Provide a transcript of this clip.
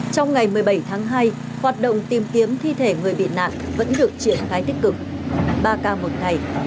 trong ngày một mươi bảy tháng hai hoạt động tìm kiếm thi thể người bị nạn vẫn được triển khai tích cực ba ca một ngày